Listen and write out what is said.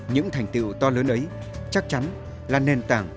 những thành tiệu to lớn ấy chắc chắn là nền tảng